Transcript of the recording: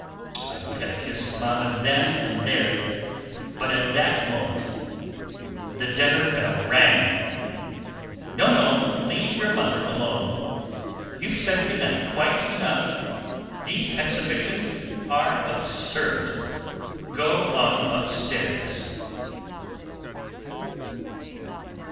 I would have kissed Mamma then and there, but at that moment the dinner bell rang. "No, no, leave your mother alone. You've said good night quite enough. These exhibitions are absurd. Go on upstairs."